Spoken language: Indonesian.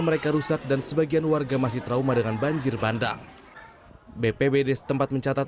mereka rusak dan sebagian warga masih trauma dengan banjir bandang bpbd setempat mencatat